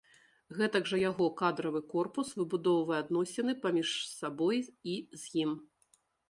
Гэтак жа яго кадравы корпус выбудоўвае адносіны паміж сабой і з ім.